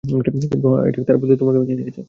কিন্তু অ্যাজাক তার বদলে তোমাকে বেছে নিয়েছে।